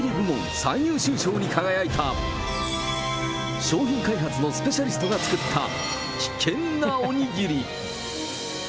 最優秀賞に輝いた、商品開発のスペシャリストが作った危険なおにぎり。